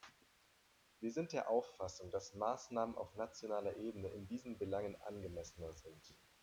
Wir sind der Auffassung, dass Maßnahmen auf nationaler Ebene in diesen Belangen angemessener sind.